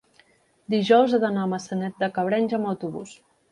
dijous he d'anar a Maçanet de Cabrenys amb autobús.